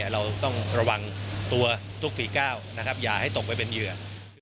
เราต้องระวังตัวทุกฝีก้าวอย่าให้ตกไปเป็นเหยื่อ